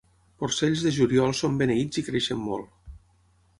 Porcells de juliol són beneïts i creixen molt.